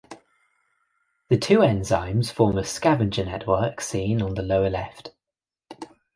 The two enzymes form a scavenger network seen on the lower left.